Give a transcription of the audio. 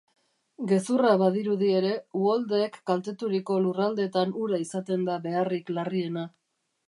Gezurra badirudi ere, uholdeek kalteturiko lurraldeetan ura izaten da beharrik larriena.